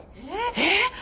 えっ？